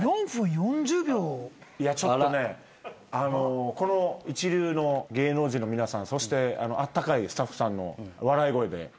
ちょっとねあのこの一流の芸能人の皆さんそしてあったかいスタッフさんの笑い声で。